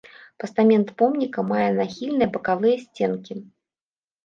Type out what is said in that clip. Пастамент помніка мае нахільныя бакавыя сценкі.